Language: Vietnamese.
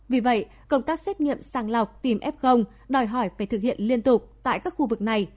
vì vậy công tác xét nghiệm sàng lọc tìm f đòi hỏi phải thực hiện liên tục tại các khu vực này